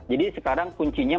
jadi sekarang kuncinya